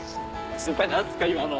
先輩何すか今の。